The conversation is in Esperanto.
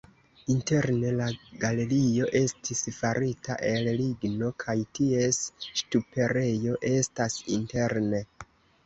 Interne la galerio estis farita el ligno kaj ties ŝtuperejo estas interne.